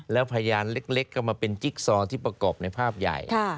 แล้วพยานเล็กก็มาเป็นจิ๊กซอที่ประกอบในภาพใหญ่